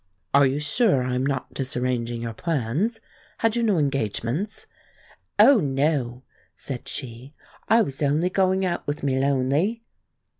"Are you sure I am not disarranging your plans? Had you no engagements?" "Oh no," said she; "I was only going out with me lonely."